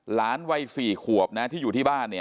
หลานวัย๔ขวบที่อยู่ที่บ้าน